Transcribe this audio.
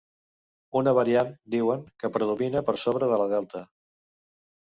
Una variant, diuen, que predomina per sobre de la delta.